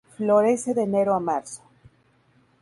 Florece de enero a marzo.